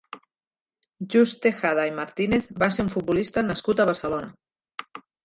Just Tejada i Martínez va ser un futbolista nascut a Barcelona.